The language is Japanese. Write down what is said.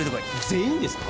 「全員」ですか？